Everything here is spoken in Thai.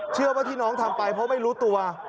เชื่อว่าที่น้องทำไปเพราะไม่รู้ตัว